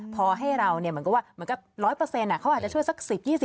พอให้เราเนี่ยเหมือนก็ว่า๑๐๐เขาอาจจะช่วยสัก๑๐๒๐